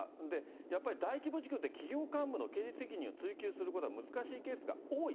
やっぱり大規模事故って企業幹部の経営責任を追及することは難しいケースが多い。